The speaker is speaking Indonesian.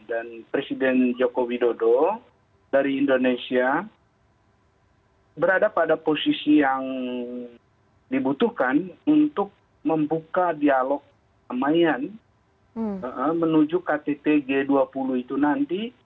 dan presiden jokowi dodo dari indonesia berada pada posisi yang dibutuhkan untuk membuka dialog kemanusiaan menuju kttg dua puluh itu nanti